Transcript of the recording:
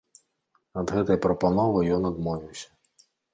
Ад гэтай прапановы ён адмовіўся.